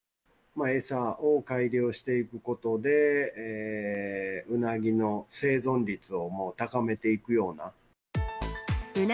餌を改良していくことで、ウナギの生存率を高めていくような。